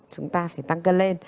chúng ta phải tăng cân lên